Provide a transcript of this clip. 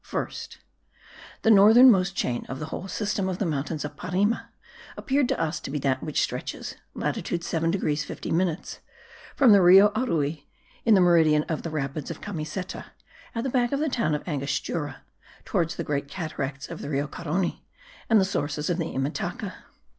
First. The most northern chain of the whole system of the mountains of Parime appeared to us to be that which stretches (latitude 7 degrees 50 minutes) from the Rio Arui, in the meridian of the rapids of Camiseta, at the back of the town of Angostura, towards the great cataracts of the Rio Carony and the sources of the Imataca.